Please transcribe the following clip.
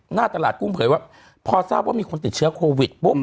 หน้าตลาดกุ้งเผยว่าพอทราบว่ามีคนติดเชื้อโควิดปุ๊บ